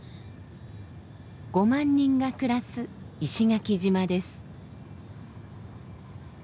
５万人が暮らす石垣島です。